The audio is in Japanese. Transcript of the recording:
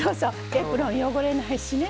エプロン汚れないしね。